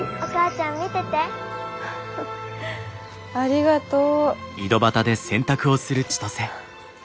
フフありがとう。